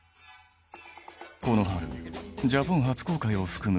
この春ジャポン初公開を含む